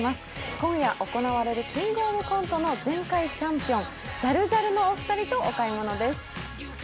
今夜行われる「キングオブコント」の前回チャンピオン、ジャルジャルのお二人とお買い物です。